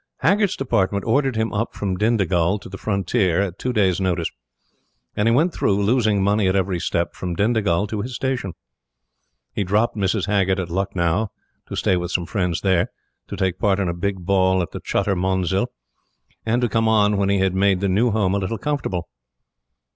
Haggert's Department ordered him up from Dindigul to the Frontier at two days' notice, and he went through, losing money at every step, from Dindigul to his station. He dropped Mrs. Haggert at Lucknow, to stay with some friends there, to take part in a big ball at the Chutter Munzil, and to come on when he had made the new home a little comfortable.